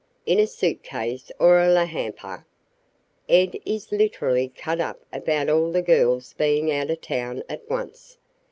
In a suit case or a la hamper? Ed is literally cut up about all the girls being out of town at once.